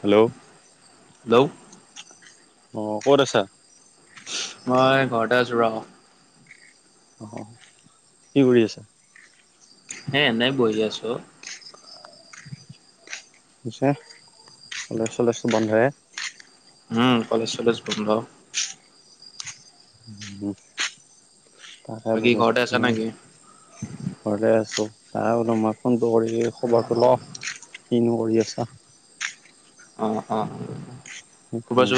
Hello hello অ ক'ত আছা মই ঘৰতে আছো ৰ অ কি কৰি আছা এ এনেই বহি আছো অ পিছে কলেজ চলেজটো বন্ধই উম কলেজ চলেজ বন্ধ উম তাকে বাকী বোলো ঘৰতে আছা মই নেকি ঘৰতে আছো তাকে বোলো মই ফোনটো কৰি খবৰটো লও কিনো কৰি আছা অ অ অ হুম উম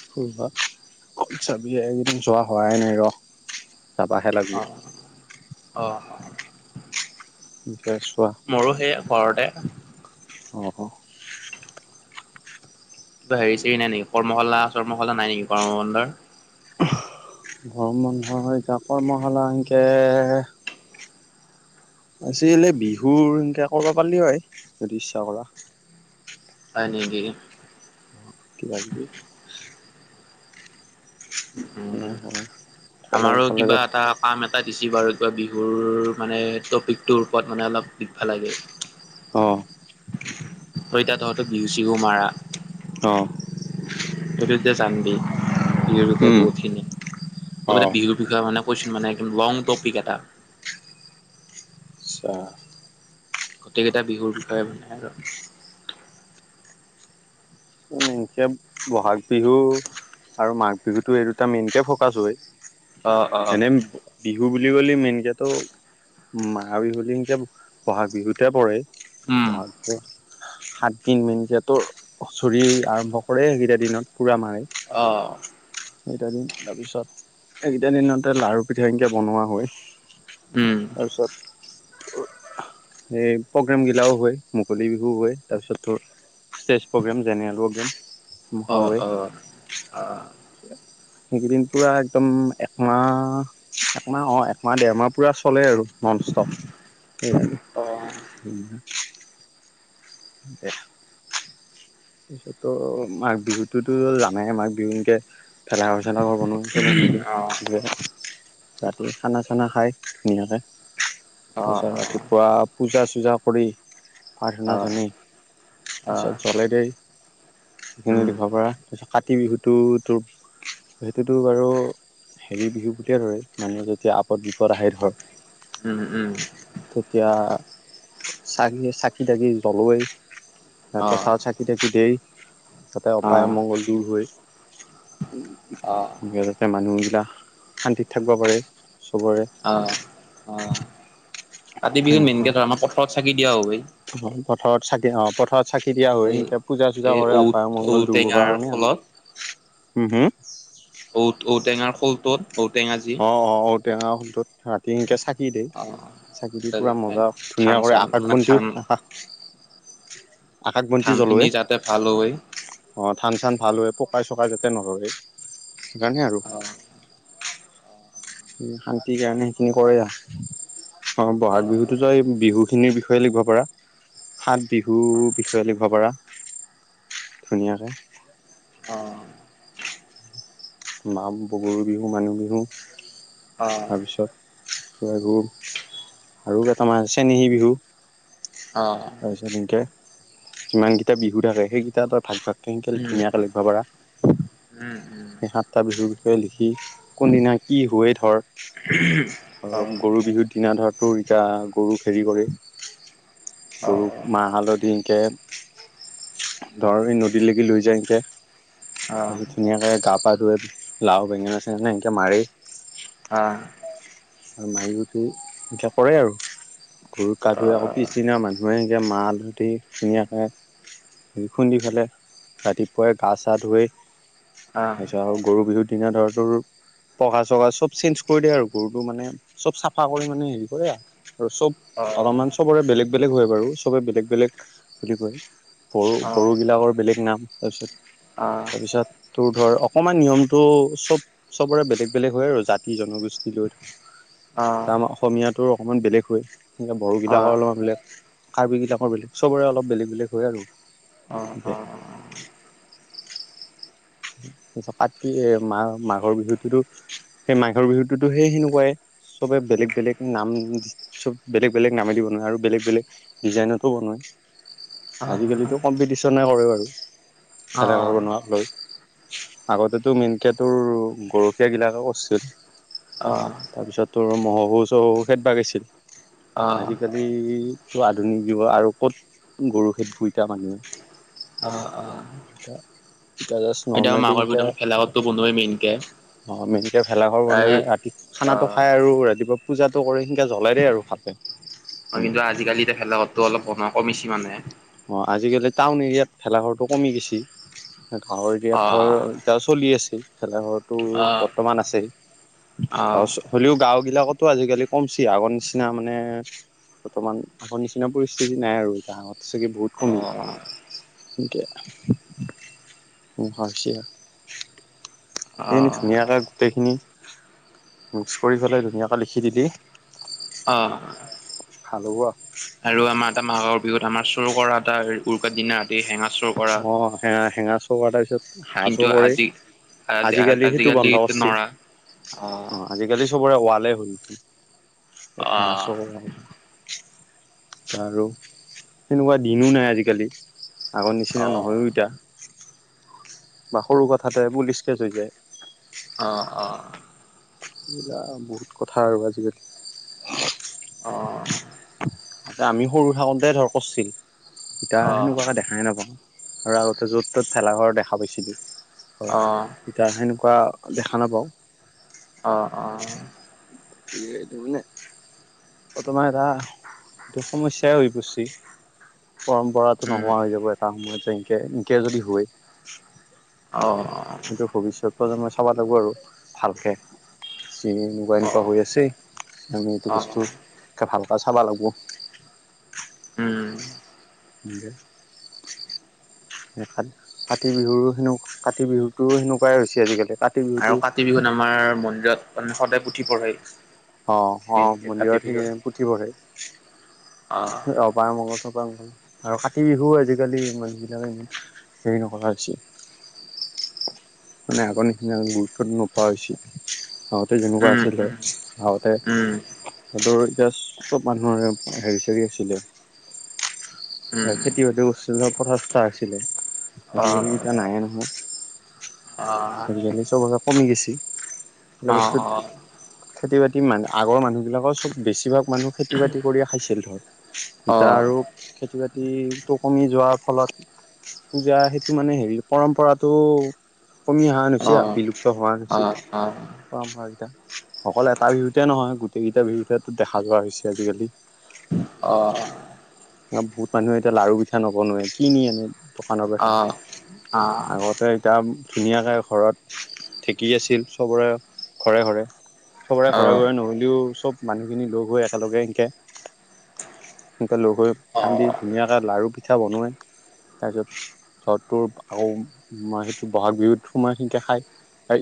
ফুৰব কত যাবি এ এইকেইদিন যোৱা হোৱাই নাই ৰ'হ অ অ গে ছোৱা মোৰো সেই ঘৰতে অ অ কিবা হেৰি চেৰি নাই নেকি কৰ্মশালা চৰ্মশালা নাই নেকি গৰমৰ বন্ধৰ গৰম বন্ধ হয় কাকৰ মহলা সেনকে আজি কালি বিহুৰ এনকে কৰ'বা পাৰলি হয় যদি ইচ্ছা কৰা হয় নিকি কি ভাবিছো উম এনে উম হয় কলেজ আমাৰো কিবা চলেজত এটা কাম এটা দিছে বাৰু কিবা বিহুৰ মানে টপিকটোৰ ওপৰত মানে অলপ শিকভা লাগে অ হয় তাত তহঁত বিহু চিহু মাৰা অ তই তেতিয়া যানবি বিহুৰ বিষয়ে উম বহুতখিনি অ লগতে বিহুৰ বিষয় মানে কচোন মানে একদম লং টপিক এটা আচ্ছা গোটেইকেইটা বিহুৰ বিষয়ে মানে আৰু [unintelligible] বহাগ বিহু আৰু মাঘ বিহুতো এই দুটা মেইনকে ফকাচ হয় অ', অ', এনে বিহু বুলি কলে মেইনক তো মাঘ বিহু সেনকে বহাগ বিহুতে পৰে উম, বহাগ জে সাতদিন এনকে ত হুচৰিয়ে আৰম্ভ কৰে সেইকেইটা দিনত পুৰা মাৰে অঁ এইকেইটা দিন তাৰপিছত এইকেইটা দিনতে লাৰু পিঠা এনকে বনোৱা হয় উম, তাৰছত এই প্ৰগ্ৰেম গিলাও হয় মুকলি বিহুও হয় তাৰ পিছত ধৰ ষ্টেজ প্ৰগ্ৰেম জেনেৰেল প্ৰগ্ৰেমে [unintelligible] আহ সেইকেইদিন পুৰা একদম একমাহ। একমাহ অ' একমাহ দেৰমাহ পুৰা চলে আৰু। ননষ্টপ কেজানি অ', উম দে তাছতত মাঘ বিহুটোতো জানাই মাঘ বিহু এনকে। ভেলাঘৰ চেলাঘৰ বনোৱা চবে মিলি অ', ৰাতি খানা চানা খাই ধুনীয়াকে তাৰপিছত ৰাতি। পুৱা পূজা চূজা কৰি অ', প্ৰাৰ্থনা অ', জনাই তাৰপিছত অ', জলাই দেই সেইখিনি উম, লিখিব পৰা কাতি বিহুটো তোৰ সেইটোতো বাৰু। হেৰি বিহু বুলিয়ে ধৰে মানুহে যেতিয়া আপদ বিপদ আহে ধৰ। উম উম। তেতিয়া চাকি চাকি-তাকি জ্বলোয়েই। অ পথাৰত চাকি তাকি দেই। যাতে অপায় অ', অমংগল দূৰ হয় অ', উম যে মানুহবিলাক শান্তিত থাক্‌বা পাৰে। চবৰে অ' অ' কাতি বিহুত মেনকে ধৰা আমাৰ পথাৰত চাকি দিয়া হয়েই। অ' পথাৰত চাকি অ' পথাৰত চাকি দিয়া এই হয়। তাত পূজা-চূজা এই কৰে ঔ অপায় অমংগল দূৰ কৰবাৰ ঔটেঙাৰ কাৰণে, খোলত হুম হুম। ঔত ঔ-টেঙাৰ খোলটোত ঔ-টেঙা যি। অ' অ' ঔ-টেঙা খোলটোত। সেন্‌কে চাকি দেই অ', চাকি দি পুৰা মজা ধান ধুনীয়া কৰে চান মানে আকাশবন্তিও ধান আকাশ। আকাশবন্তি ধান জ্বলোৱে। খিনি যাতে ভাল হয় অ' ধান-চান ভাল হয় পকাই-চকাই যাতে নধৰে সেইকাৰণে আৰু। অ'। শান্তিৰ কাৰণে সেইখিনি কৰে আৰু, অ' ব'হাগ বিহুতো ত‌ই বিহুখিনিৰ বিষয়ে লিখব পাৰা, সাত বিহুৰ বিষয়ে লিখব পাৰা। ধুনীয়াকে। অ'। মাঘ বহুৰ বিহু, মানুহ বিহু, তাৰপিছত আৰু আৰু কেইটামান চেনেহী বিহু। অ'। তাৰপিছত সেনকে যিমানকেইটা বিহু থাকে সেইকেইটা ত‌ই ভাগ ভাগকে সেনকে ধুনীয়াকৈ লিখব পাৰা। উম। সেই সাতটা বিহুৰ বিষয়ে লিখি কোনদিনা কি হয় ধৰ ধৰক গৰু বিহুৰ দিনা ধৰ তোৰয়া গৰুক হেৰি কৰি। গৰুক। মাহ হালধি এনকে, ধৰ এই নদীলেকে লৈ যায় এনকে। তাৰপিছত ধুনীয়াকে গা-পা ধুৱে, লাও বেঙেনা- চেঙেনা এনকে মাৰে। অ'। আৰু মাৰি উঠি এনকে কৰে আৰু, গৰুক গা ধুৱাই আকৌ পিছদিনা মানুহে এতিয়া মাহ হালধী ধুনীয়াকে [unintelligible] খুন্দি ফেলাই ৰাতিপুৱাই গা চা ধুৱে। তাৰপিছত আৰু গৰু বিহুৰ দিনা ধৰ তোৰ পঘা চঘা চব চেঞ্জ কৰি দিয়ে আৰু গৰুক। তোৰ মানে চব চাফা কৰি মানে হেৰি কৰে আৰু চব অলপমান সবৰে বেলেগ বেলেগ হয় বাৰু চবে বেলেগ বেলেগ বুলি কয়, বড়ো বড়ো বিলাকৰ বেলেগ নাম। তাৰপিছত। আ তাৰপিছত তোৰ ধৰ অকণমান নিয়মটো চব চবৰে বেলেগ বেলেগ হয় আৰু জাতি জনগোষ্ঠী। তাৰপা আমাৰ অসমীয়াৰতো অকণমান বেলেগ হয়, বড়োবিলাকৰ অলপমান বেলেগ। কাৰ্বি বিলাকৰ বেলেগ সবৰে অলপ বেলেগ বেলেগ হয় আৰু। অ, অ কাতি এ, মা, মাঘৰ বিহুটোতো সেই মাঘৰ বিহুততো সেই সেনেকুৱাই চবে বেলেগ, বেলেগ নাম চব বেলেগ, বেলেগ নামেদি বনায় আৰু বেলেগ, বেলেগ ডিজাইনতো বনায়। আজিকালিতো কম্পিটিচনে কৰে বাৰু ভেলাঘৰ বনুৱালৈ। আগতেতো মেনকে তোৰ গৰখীয়াগিলাকে কৰছে। অ তাৰপিছত তোৰ মহো, চহো খেদ বা গেছিল, আজিকালি এইটো আধুনিক যুগত আৰু ক'ত গৰু খেত দুইটা মানুহ অ, অ। [unintelligible] এতিয়া মাঘৰ ইনকে বিহুদিনাখন ভেলাঘৰতো বনোৱেই মেইনকে অ, মেনকে ভেলাঘৰ বনে প্ৰায় ৰাতি অ খানাটো খাই আৰু ৰাতিপুৱা পূজাটো কৰে সেনকা জ্বলাই দেই আৰু ভালকে, মানে [unintelligible] টো অলপ বনোৱা কমিছে মানে অঁ, আজিকালি টাউন এৰিয়াত ভেলাঘৰটো কমি গেছি গাঁৱৰ অ এৰিয়াত ধৰ এটিয়া চলি আছে, ভেলাঘৰৰতো অ বৰ্তমান আছে অ হ'লেও গাওঁ বিলাকটো আজিকালি কমচি আগৰ নিচিনা মানে বৰ্তমান আগৰ নিচিনা পৰিস্থিতি নাই আৰু এতিয়া আত চাগে বহুত কমিল এনকে অঁ, হৈছে। অ সেইখিনি অ ধুনীয়াকৈ গোটেইখিনি মিক্স কৰি পেলাই ধুনীয়াকৈ লিখি দিলি। অঁ। ভাল হ'ব। আৰু আমাৰ এটা মাঘৰ বিহুত আমাৰ চোৰ কৰা এটা উৰুকাৰ দিনা সেঙা অঁ, হেঙা হেঙা চুৰ কৰা তাৰ পিছত হাঁহ কিন্তু চুৰ কৰে। আজি আজি সেইটো আজিকালি বন্ধ ইটো কৰছি। নৰা, অ। আজিকালি চবৰে ৱালে হৈ উঠে, কত হেঙা অ', চোৰ আৰু সেনেকুৱা দিনো নাই আজিকালি। আগৰ অ', নিচিনা অ', নহয়ও এতিয়া বা সৰু কথাতে পুলিচ কেচ হৈ যায়। অঁ, অ। এইবিলাক বহুত কথা আৰু আজিকালি। অ। এতিয়া আমি সৰু থাকোতে ধৰ কৰছিল এতিয়া অ', সেনেকুৱাকে দেখাই নাপাওঁ। আৰু আগতে য'ত ত'ত ভেলাঘৰ দেখা পাইছিলোঁ, হয়। অ', তেতিয়া সেনেকুৱা দেখা নাপাওঁ। অঁ, অ। [unintelligible] তোমাৰ এটা এইটো সমস্যয়াই হৈ পৰচি পৰম্পৰাতো উম, নোহোৱা হৈ যাব তাৰ সময়ত এনকে এনকে যদি হয়। অ। কিন্তু ভৱিষ্যত প্ৰজন্মই চাব লাগিব আৰু ভালকে। যি, এনেকুৱা এনেকুৱা অ', হৈ আছে আমি এইটো অ', বস্তু ভালকে চাব লাগিব। উম। নিকে কা, কাতি বিহু সেনেকা, কাতি বিহুতটো সেনেকুৱাই হৈছে আজিকালি কাতি বিহুতো আৰু কাতি বিহুত আমাৰ মন্দিৰত মানে, সদায় পুথি পঢ়ে। অঁ, অ কাতি মন্দিৰত বিহুত। সেইকেদিন পুথি পঢ়ে। অ পা মংগলটোপা আৰু কাতি বিহু আজিকালি মানুহবিলাকে ইমান হেৰি নকৰা হৈছে মানে আগৰ নিচিনা গুৰুত্ব নোপোৱা হৈছিল। যেনেকুৱা উম, আছিলে উম, আগতে উম, হাদৰ এতিয়া অলপ মানুহৰে হেৰি চাৰ আছিলে উম, খেতি বাতি কৰিছিল কথা চা হৈছিলে আজিকালি অ', এতিয়া নাই এ নহয়। অ', আজিকালি চব এই কমি গেছি সিবিলাক বস্তুত অ', খেতি বাতি মান আগৰ মানুহবিলাকৰ চব বেছিভাগ মানুহ খেতি বাতি কৰি খাইছিল ধৰ অ', এতিয়া আৰু অ', খেতি বাতিটো কমি যোৱাৰ ফলত পূজা সেইটো মানে হেৰি পৰম্পৰাটো কমি অহা হেন হৈছে আৰু অ'। বিলুপ্ত হৈ আহা উম, উম, নিচিনা হৈছে [unintelligible] অকল এটা বিহুতে নহয়, গোটেইকেইটা বিহুতে টোৰ দেখা যোৱা হৈছে আজিকালি। অ'। বহুত মানুহে এতিয়া লাৰু পিঠা নবনোৱে কিনি আনে দোকানৰ পৰা। আগতে এতিয়া ধুনীয়াকে ঘৰত ঢেকি আছিল চবৰে ঘৰে ঘৰে। সবৰে ঘৰে ঘৰে নহ'লেও চব মানুহখিনি লগ হৈ একেলগে এনকে সেনেকে লগ হৈ খান্দি ধুনীয়াকে লাৰু পি পিঠা বনোৱাই। তাৰপিছত ঘৰটোৰ আকৌ মা সেটো বহাগ বিহুত সোমাই সিনকে খাই।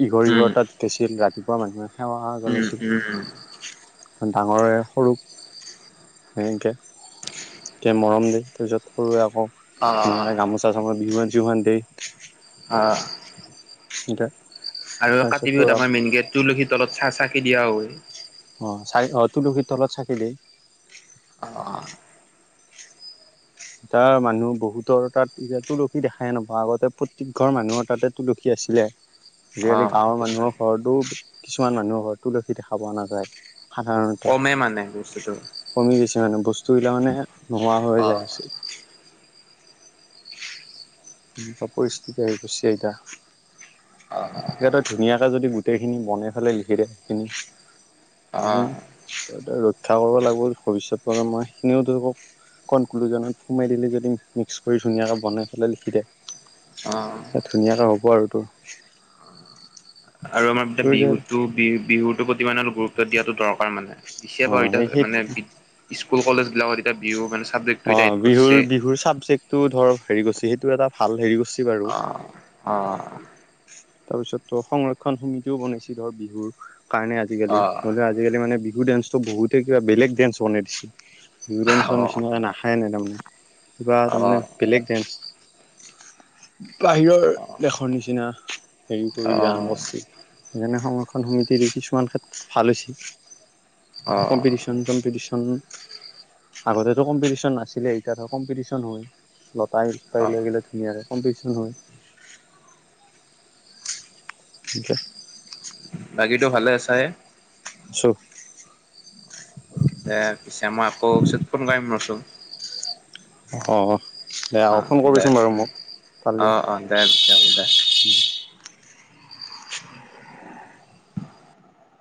ইঘৰ সিঘৰ তাত গেছিল ৰাতি [unintelligible] মানুহে সেৱা উম। জনাইছিল ডাঙৰে সৰুক। সিনকে মৰম দি তাৰপিছত সৰুৱে আকৌ অ', ধুনীয়াকে গামোচা চামোচা, বিহুৱান চিহুৱান দেই। হ সিনকে। আৰু কাতি বিহুত আমাৰ মেইন গেট তুলশীৰ তলত চাকি দিয়া হয়। অ' চাই অ' তুলসীৰ তলত চাকি দেই। অ', অ'। ইতা মানুহ বহুতৰ তাত এতিয়া তুলসী দেখাই নাপাওঁ, আগতে প্ৰত্যেক ঘৰ মানুহৰ তাতে তুলসী আছিলে। আজিকালি আহ গাঁৱৰ সেইটো হয়। মানুহৰ ঘৰতো কিছুমান মানুহৰ ঘৰত তুলসী দেখা পোৱা নাযায়। সাধাৰণতে কমে মানে বস্তুটো। কমি গৈছে মানে বস্তুবিলাক মানে নোহোৱা হৈ আহ যায় আছে। এনেকুৱা পৰিস্থিতি আহি পৰিছে এতিয়া। আহ [unintelligible] ধুনীয়াকে যদি গোটেই খিনি বনাই ফেলে লিখি দে সেইখিনি আহ ৰক্ষা কৰিব লাগিব ভৱিষ্যত প্ৰজন্মই [unintelligible] কনক্লুজনত সোমাই দিলে যদি মিক্স কৰি ধুনীয়াকৈ বনাই পেলাই লিখি দিয়ে। অ'। ধুনীয়াকৈ হ'ব আৰু তোৰ। আৰু আমাৰ তোৰ যে বিহুতো, বিহু বিহুতৰ প্ৰতি ইমান অলপ গুৰুত্ব দিয়াটো দৰকাৰ মানে। [unintelligible] অ সেই এতিয়া সেইটো মানে বি স্কুল কলেজ বিলাকত এতিয়া বিহু মানে চাবজেক্টটো এতিয়া এড অ' বিহুৰ, কৰিছে। বিহুৰ চাবজেক্টটো ধৰ হেৰি কৰছি সেইটো এটা ভাল হেৰি কৰছি বাৰু। অ', অ'। তাৰপিছত তোৰ সংৰক্ষণ সমিতিও বনাইছে ধৰ বিহুৰ কাৰণে আজিকালি অ', নহ'লে আজিকালি মানে বিহু ডেন্সটো বহুতে কিবা বেলেগ ডেন্স বনে দিছি। বিহু ডেন্সৰ নিচিনা নাখায়ে নাই তাৰমানে কিবাহে তাৰ মানে বেলেগ ডেন্স। বাহিৰৰ অ', অ'। দেশৰ নিচিনা। [unintelligible] সংৰক্ষণ অ', সমিতিৰে কিছুমান ক্ষেত্ৰত ভাল হৈছে। অ', কম্পিটিচন। কম্পিটিচন। আগতেটো কম্পিটিশন নাছিলে, এতিয়া ধৰ কম্পিটিশন হৈ। লতাশিল অ', [unintelligible] ধুনীয়াকে কম্পিটিশন হয়। [unintelligible] বাকীটো ভালে আছায়ে? আছো। দে পিছে মই আকৌ পিছত ফোন কৰিম ৰচোন। অ'। দে অহ', ফোন দে কৰিবিচোন বাৰু উম, মোক পাৰিলে। অ', - অ', দে পিছে বোলে।